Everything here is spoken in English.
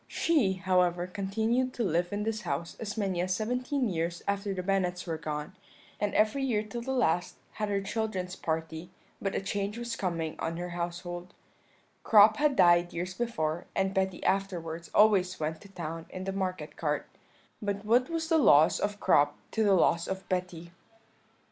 "She, however, continued to live in this house as many as seventeen years after the Bennets were gone, and every year till the last had her children's party; but a change was coming on her household Crop had died years before, and Betty afterwards always went to town in the market cart; but what was the loss of Crop to the loss of Betty?